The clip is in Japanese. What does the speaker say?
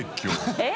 えっ？